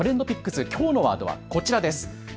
きょうのワードはこちらです。